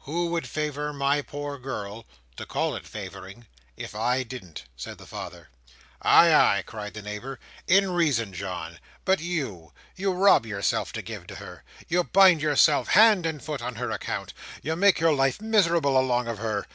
"Who would favour my poor girl—to call it favouring—if I didn't?" said the father. "Ay, ay," cried the neighbour. "In reason, John. But you! You rob yourself to give to her. You bind yourself hand and foot on her account. You make your life miserable along of her.